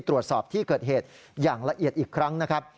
ตรวจสอบที่เกิดเหตุอย่างละเอียดอีกครั้งนะครับ